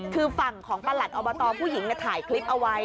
คือฝั่งของประหลัดอบตผู้หญิงถ่ายคลิปเอาไว้